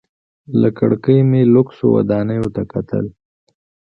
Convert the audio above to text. له کړکۍ مې لوکسو ودانیو ته کتل.